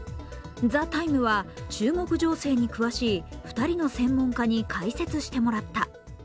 「ＴＨＥＴＩＭＥ，」は、中国情勢に詳しい２人の専門家に解説してもらった。